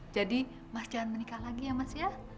jadi mas jangan menikah lagi ya mas ya